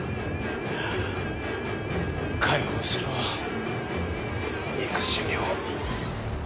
解放しろ憎しみを。